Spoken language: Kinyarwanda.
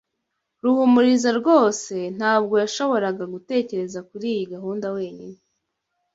Ruhumuriza rwose ntabwo yashoboraga gutekereza kuriyi gahunda wenyine.